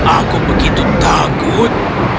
aku begitu takut